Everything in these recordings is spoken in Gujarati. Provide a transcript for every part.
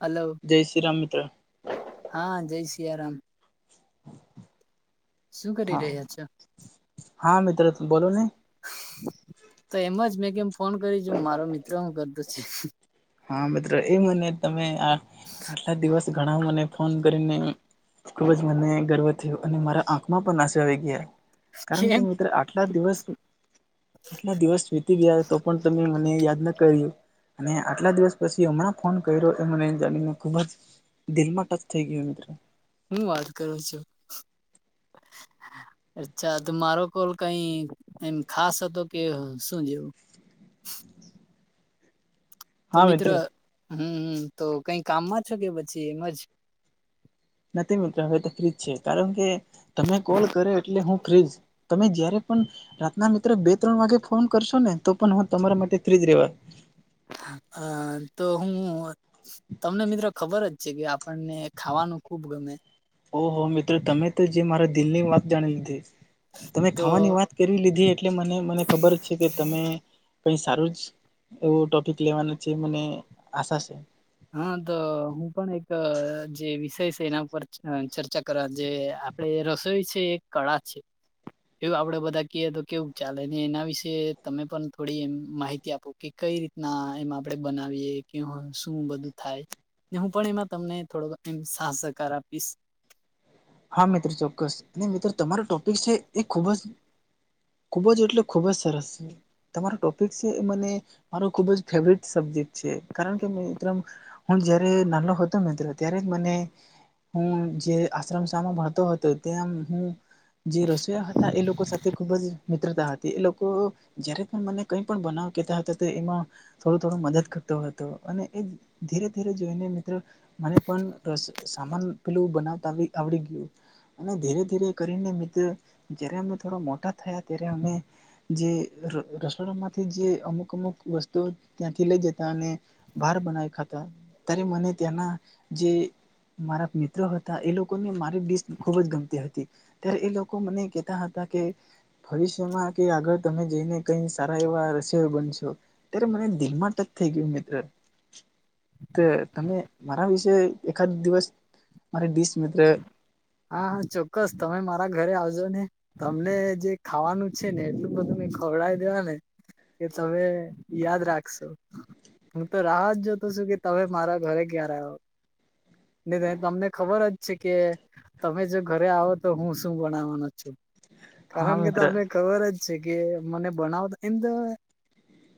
હલો જય શ્રી રામ મિત્ર હા જય સિયા રામ શું કરી હા રહ્યા છો હા મિત્રો ત બોલો ને તો એમજ મેં કેમ ફોન કરી જોમ મારો મિત્ર હું કરતો છે હા મિત્રો એ મને તમે આ આટલા દિવસ ઘણા મને ફોન કરીને ખુબ જ મને ગર્વ થયો અને મારા આંખમાં પણ આંસુ આવી ગયા. કારણ કે કેમ મિત્ર આટલા દિવસ આટલા દિવસ વીતી ગયા તો પણ તમે મને યાદ ન કર્યું અને આટલા દિવસ પછી હમણાં ફોન કર્યો એ મને જાણીને ખુબ જ દિલમાં ટચ થઈ ગયો મિત્ર. હું વાત કરો છો અચ્છા તો મારો કોલ કઈ એમ ખાસ હતો કે શું જેવું તો મિત્ર હમ તો કઈ કામમાં છો કે પછી એમ જ નથી મિત્ર હવે તો ફ્રીજ છે કારણ કે તમે કોલ કર્યો એટલે હું ફ્રીજ. તમે જય્યારે પણ રાતના મિત્ર બે ત્રણ વાગે ફોન કરશો ને તો પણ હું તમારા માટે ફ્રી જ રેવા. હા તો હું તમને મિત્ર ખબર જ છે કે આપણને ખાવાનું ખુબ ગમે ઓહ મિત્રો તમે તો જે મારા દિલની વાત જાણી લીધી તમે તો ખાવાની વાત કરી લીધી એટલે મને મને ખબર જ છે કે તમે કઈ સારું જ એવું ટોપિક લેવાનું છે મને આશા છે હા તો હું પણ એક જે વિષય છે એના ઉપર ચર્ચા કરવા જે રસોઈ છે એક કળા છે. એવું આપડે બધા કીએ તો કેવું ચાલે એના વિશેે તમે પણ થોડી માહિતી આપો. કે કઈ રીતના એમાં આપડે બનાવીએ કે શું બધું થાય હું પણ એમાં તમને થોડો સાહ સહકાર આપીશ. હા મિત્ર ચોક્કસ અને મિત્ર તમારો ટોપિક છે એ ખૂબ જ ખૂબ જ એટલે ખુબ જ સરસ. તમારો ટોપિક છે એ મને મારો ખુબ જ ફેવટ સબજેક્ટ છે કારણ કે મે. હું જયારે નાનો હતો મિત્ર ત્યારે મને હું જે. શ્રમ સા ભણતો હતો ત્યાં હું જે રસોયા હતા એ લોકો સાથે ખૂબ જ. મિત્રતા હતી એ લોકો જય્યારે પણ મને કઈ પણ બનાવ કતા હતા તો એમાં થોડો થોડો મદદ કરતો હતો અને એ ધીરે ધીરે જોઈને મને પણ સ સામાન પેલું બનાવતા બી આવડી ગયું. અને ધીરે ધીરે કરીને મિત્ર જય્યારે અમને થોડા મોટા થયા ત્યારે અમે જે ર રસોડા માંથી જે અમુક અમુક વસ્તુઓ ત્યાંથી લઈ જતા અને બાર બનાઈ ખાતા ત્યારે મને ત્યાંના જે મારા મિત્રો હતા એ લોક કો ને મારી ડીશ ખૂબ જ ગમતી હતી ત્યારે એ લોકો મને કેતા હતા કે ભવિષ્યમાં કે આગળ તમે જઈને કઈ સારા એવા રસયો બનશો. ત્યારે મને દિલ માં ટચ થઈ ગયું મિત્ર. તે તમે મારા વિશે એકાદ દિવસ મારી ડિશ મિત્ર હા હા ચોક્કસ તમે મારા ઘરે આવજો ને તમને જે ખાવાનું છે ને એટલું બઘું મે ખવડાવી દેવા ને. કે તમે યાદ રાખશો. હું તો રાહ જ જોતો છું કે તમે મારા ઘરે કયારે આવો. નહી તો તમને ખબર જ છે કે. તમે જો ઘરે આવો તો હું શું બનાવાનો છું હા કારણ કે મિત્ર તમને ખબર જ છે કે મને બનાવતા એમ.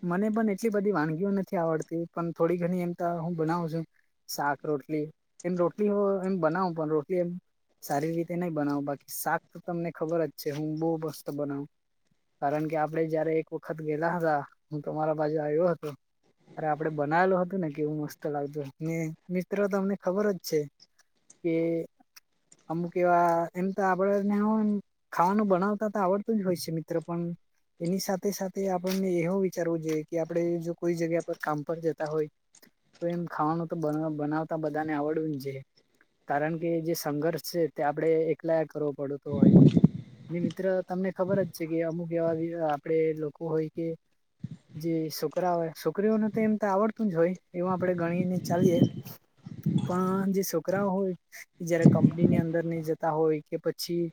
મને પણ એટલી બધી વાનગીઓ નથી આવડતી પણ થોડી ઘણી એમ તો હું બનાવ છું. શાક રોટલી એમ રોટલી અ એમ બનાવું પણ રોટલી એમ સારી રીતે નહી બનાવો બાકી શાક તો તમને ખબર જ છે હું બો મસ્ત બનાઉ. કારણ કે આપડે જયારે એક વખત ગયેલા હતા હું તમારા બાજુ આયો હતો. અરે આપડે બનાવેલું હતું ને કેવું મસ્ત લાગતું ને મિત્ર તમને ખબર જ છે. કે. અમુક એવા એમ તો આપડને ખાવાનું બનાવતા તો આવડતું જ હોય છે મિત્ર પણ એની સાથે સાથે આપણને એવો વિચારવો જોઈએ કે આપણે જો કોઈ જગ્યા પર કામ પર જતા હોય. તો એમ ખાવાનું તો બના બનાવતા બધાને આવડવું જ છે કારણ કે જે સંઘર્ષ છે તે આપડે એકલા કરવો પડતો તો હોય. મિત્ર તમને ખબર જ છે કે અમુક એવા આપડ લોકો હોય કે જી છુક્ર ઓય છુકરીઓનું તો એમ તો આવડતું જ હોય એવું આપડે ગણીને ચાલીયે પણ જે છોકરાઓ હોય જયારે કમ ની અંદર નહી જતા હોય કે પછી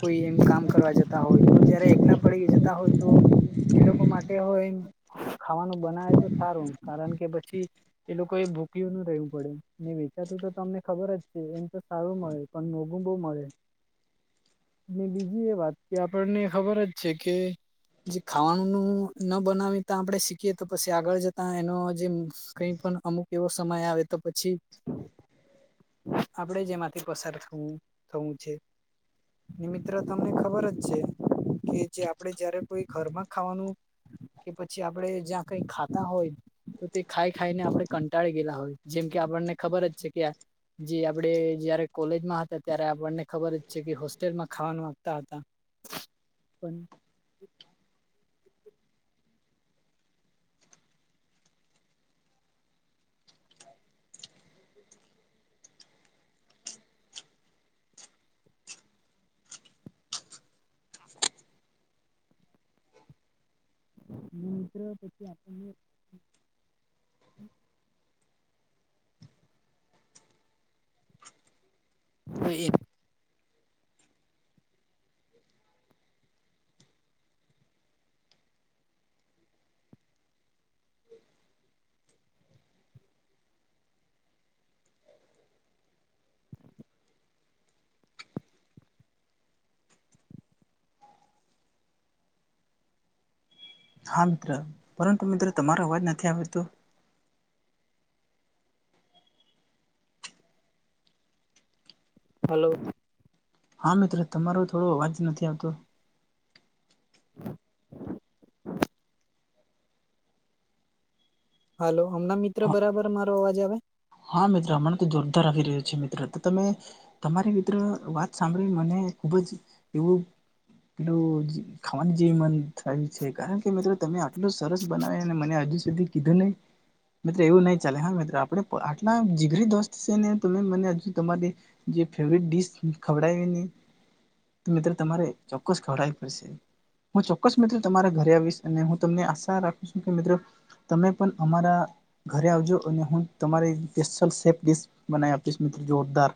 કોઈ એમ કામ કરવા જતા હોય તો જયારે એકલા પડી જતા હોય તો. એ લોકો માટે હો એમ ખાવાનું બનાવે તો સારું કારણ કે પછી એ લોકો એ ભૂક્યું ન રહેેવું પડે ને વેચાતું તો તમને ખબર જ છે એમ તો સારું મળે. પણ મોગું બહુ મળે. બીજી એ વાત કે આપણને ખબર જ છે કે જે ખાવાનું ન ન બનાવીતા આપણે શીખીએ તો પછી આગળ જતા એનો જે કઈ પણ અમુક એવો સમય આવે તો પછી આપડે જે એમાંથી પસાર થવું થવું છે. મિત્ર તમને ખબર જ છે. કે જે આપડે જયારે કોઈ ઘરમાં ખાવાનું કે પછી આપડે જ્યાં કઈ ખાતા હોય. તો તે ખાઈ ખાઈને આપણે કંટાળી ગયેલા હોય જેમ કે આપણને ખબર જ છે કે જે આપડે જયારે કોલેજમાં હતા ત્યારે આપણને ખબર જ છે કે હોસ્ટેલમાં ખાવાનું ગતા હતા પણ અને મિત્ર પછી આપણને હો એ [inaudible] હા મિત્ર પરંતુ મિત્ર તમારો અવાજ નથી આવ્યો તો. હલો. હા મિત્ર તમારો થોડો અવાજ નથી આવતો. [inaudible] હાલો હમણાં મિત્ર હા બરાબર મારો અવાજ આવે? હા મિત્ર હમણા તો જોરદાર આવી રહ્યો છે મિત્ર, તો તમે તમારે મિત્ર વાત સાંભળી મને ખુબ જ એવું એટલું ખાવાની જેવી મન થાય છે કારણ કે મિત્રો તમે આટલું સરસ બનાવે અને મને હજુ સુધી કીધું નહી મિત્રો એવું નઈ ચાલે હા મિત્રો આપડે આટલા જીગરી દોસ્ત છે ને તમે મને હજુ તમારી જે ફેવરેટ ડીશ ખવડાવવી ની. તો મિત્ર તમારે ચોક્કસ ખવડાવી પડશે. હું ચોક્કસ મિત્ર તમારા ઘરે આવીશ અને હું તમને આશા રાખું છું કે મિત્ર તમે પણ અમારા ઘરે આવજો અને હું તમારી સ્પેશિલ સેફ ડિશ બનાવી આપીશ મિત્રો જોરદાર.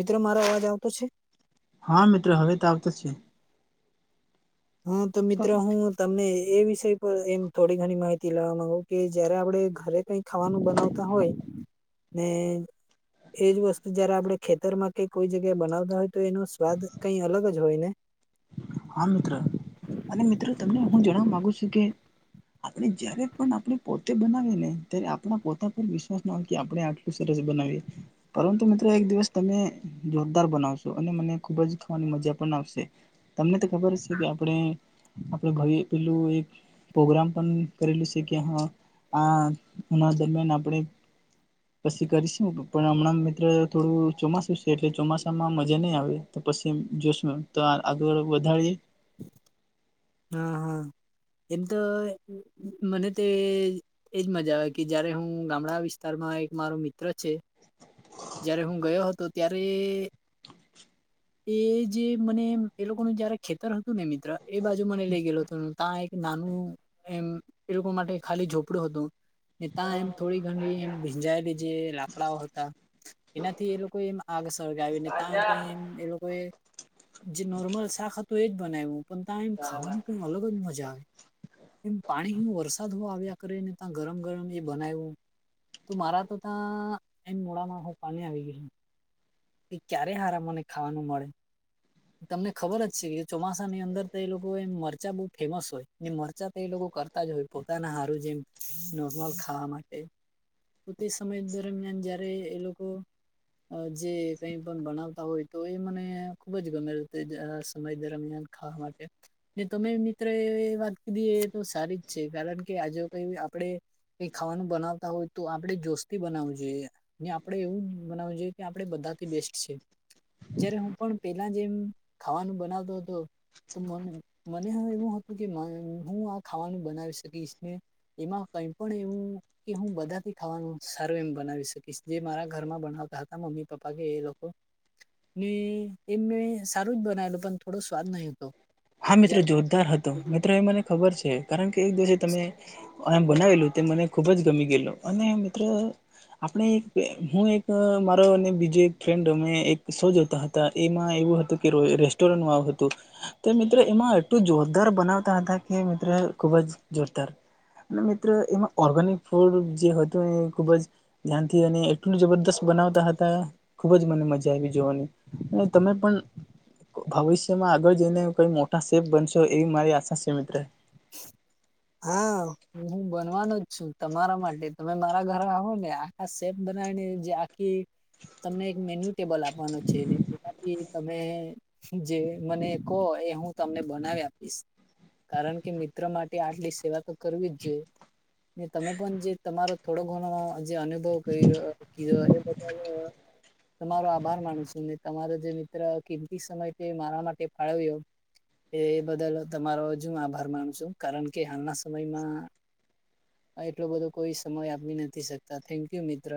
મિત્રો મારો અવાજ આવતો છે? હા મિત્ર હવે ત આવ તો છે. હા તો મિત્ર હું તમને એ વિષય પર એમ થોડી ઘણી માહિતી લેવા માંગો કે જયારે આપણે ઘરે કઈક ખાવાનું બનાવતા હોય ને એજ વસ્તુ જયારે આપણે ખેતર માં કઈ કોઈ જગ્યાએ બનાવતા હોય તો એનો સ્વાદ કઈ અલગ જ હોય ને હા મિત્ર અને મિત્ર તમને હું જણવા માગુ છું કે આપણે જયારે પણ આપણે પોતે બનાવી ને ત્યારે આપણા પોતા પર વિશ્વાસ ના હોય કે આપણે આ સરસ બનાવીએ પરંતુ મિત્ર એક દિવસ તમે જોરદાર બનાવશો અને મને ખુબ જ ખાવાની મજા પણ આવશે. તમને તો ખબર છે કે આપણે આપડે ભાઈ પેલું એક પ્રોગ્રામ પણ કરેલું છે કે હ આ દરમિયાન આપણે પછી કરીશું પણ હમણાં મિત્ર થોડું ચોમાસું છે, એટલે ચોમાસામાં મજા નહીં આવે તો પછી જસમાં તો આ આગળળ વધારીએ [inaudible] હા હા એમ તો મને તે એજ મજા આવે કે જયારે હું ગામડા વિસ્તારમાં એક મારો મિત્ર છે. જયારે હું ગયો હતો ત્યારે એ જે મને એ લોકોનું જયારે ખેતર હતું ને મિત્ર એ બાજુ મને લઇ ગયેલો હતો ત્યાં એક નાનું એમ એ લોકો માટે ખાલી ઝોપડું હતું. ને ત્યાં એમ થોડી ઘણી એમ ભીંજાયેલી જે લાકડાઓ હતા એનાથી એ લોકો એમ આગ સળગાવ ને, ત્યાં કઈ એમ એ લોકોએ જે નોર્મલ શાક હતું એ બનાયવું. પણ ત્યા એમ ખાવાની તો અલગ જ મજા આવે. એમ પાણી હુ વરસાદ હો આવ્યા કરને, ત્યાં ગરમ ગરમ એ બનાવું. તો મારા તો ત્યાં એમ મોડામાં હું પાણી આવી ગયુ. એ ક્યારે હારા મને ખાવાનું મળે. તમને ખબર જ છે, કે ચોમાસાની અંદર તો એ લોકો એ મરચા બહુ ફેમસ હોય. મરચા તો એ લોકો કર તા જ હોય પોતાના હારું જેમ નોર્મલ ખાવા માટે. તો તે સમય દરમિયાન જયારે એ લોકો જે કઈ પણ બનાવતા હોય તો એ મને ખૂબ જ ગમે તે સમય દરમિયાન ખાવા માટે. તમે મિત્ર એ વાત કધી એ તો સારી જ છે. કારણ કે આ જો કઈ આપડે એ ખાવાનું બનાવતા હોય તો, આપણેે જોસથી બનાવું જોઈએ. ને આપડણે એવું મનાવવું જોઈએ. કે આપણે બધાથી બેસ્ટ છે. જ્યારે હું પણ પેલા જેમ ખાવાનું બનાવતો હતો. તો મને એવું હતું કે, હું આ ખાવાનું બનાવી શકીશ ને. એમાં કઈ પણ એવું. કે હું બધાથી ખાવાનું સારું એમ બનાવી શકીશ. જે મારા ઘરમાં બનાવતા હતા. મમ્મી પપ્પા કે એ લોકો. ને એ મેં સારું જ બનાયલું. પણ થોડો સ્વાદ નહીં હતો. હા! મિત્રો જયારે જોરદાર હતો. મિત્રો એ મને ખબર છે. કારણ કે એક દિવસે તમે. બનાવેલું તે મને ખુબ જ ગમી ગયેલો. અને મિત્ર આપણે એક હું એક મારો અને બીજો એક ફ્રેન્ડ અમે એક સો જોતા હતા. તા એમાં એવું હતું કે રેસ્ટોરન્ટ ન આવું હતું. તે મિત્રો એમાં એટલું જોરદાર બનાવતા હતા. કે મિત્રો ખુબ જ જોરદાર. અને મિત્ર એમાં ઓર્ગેનિક ફૂડ જે હતું એ ખૂબ જ. ધ્યાનથી અને એટલું જબરદસ્ત બનાવતા હતા. ખુબ જ મને મજા આવી જોવાની. અને તમે પણ ભવિષ્યમાં આગળ જઈને. કઈ મોટા શેપ બનશો. એવી મારી આશા શે મિત્ર. [inaudible] હા! હું બનવાનો જ છું. તમારા માટે. તમે મારા ઘરે આવો ને આ. આ શેફ બનાવીને, જે આખી તમને એક મેન્યુ ટેબલ આપવાનો છે. તમે જે મને કહો, એ હું તમને બનાવી આપીશ. કારણ કે કે મિત્ર માટે આટલી સેવા તો કરવી જ જોઈએ. તમે પણ જે તમારો થોડો ઘણમાં, જે અનુભવ કરી રહ્યો. કિઘુ હોય એ બધાને તમારો આભાર માનું છું. ને તમારો જે મિત્ર કિંમતી સમય તે મારા માટે ફાળવ્યો. એ એ બદલ તમારો હજ હું આભાર માનું છું. કારણ કે હાલના સમયમાં. એટલો બધો કોઈ સમય આપી નથી શકતા. થેન્ક યુ મિત્ર.